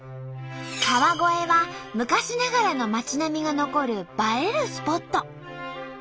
川越は昔ながらの町並みが残る映えるスポット。